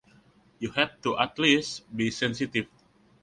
You have to at least be sensitive.